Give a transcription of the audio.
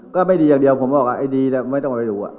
ก็ไม่ดีอย่างเดียวผมบอกว่าไอ้ดีไม่ต้องไปดู